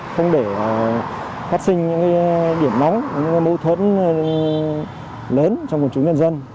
không để phát sinh những điểm nóng mâu thuẫn lớn trong quân chủ nhân dân